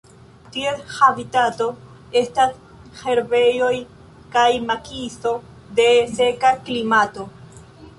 Ties habitato estas herbejoj kaj makiso de seka klimato.